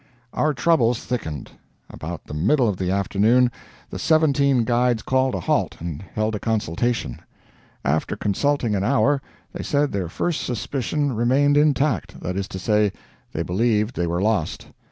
Our troubles thickened. About the middle of the afternoon the seventeen guides called a halt and held a consultation. After consulting an hour they said their first suspicion remained intact that is to say, they believed they were lost.